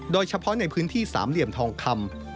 โดยเฉพาะในพื้นที่สามเหลี่ยมทองคำ